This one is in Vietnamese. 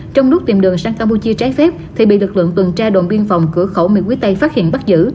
trong lúc tìm đường sang campuchia trái phép thì bị lực lượng tuần tra đồn biên phòng cửa khẩu mỹ quý tây phát hiện bắt giữ